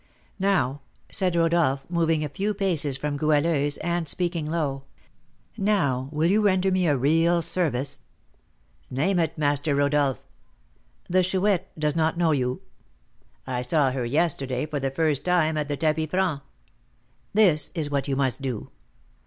Now," said Rodolph, moving a few paces from Goualeuse, and speaking low, "Now, will you render me a real service?" "Name it, Master Rodolph." "The Chouette does not know you?" "I saw her yesterday for the first time at the tapis franc." "This is what you must do.